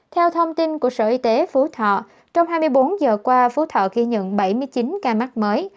theo thông tin của sở y tế phú thọ trong hai mươi bốn giờ qua phú thọ ghi nhận bảy mươi chín ca mắc mới